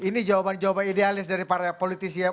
ini jawaban jawaban idealis dari para politisi ya